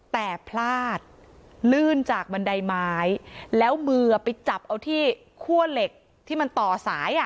แต่พลาดลื่นจากบันไดไม้แล้วมือไปจับเอาที่คั่วเหล็กที่มันต่อสายอ่ะ